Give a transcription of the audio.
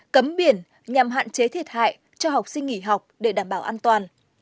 cấm biển nhằm hạn chế thiệt hại cho học sinh nghỉ học để đảm bảo an toàn